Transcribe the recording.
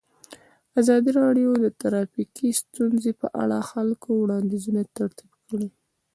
ازادي راډیو د ټرافیکي ستونزې په اړه د خلکو وړاندیزونه ترتیب کړي.